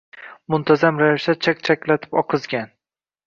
Muntazam ravishda chak-chaklatib oqizgan.